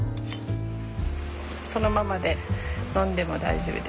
そのままで飲んでも大丈夫です。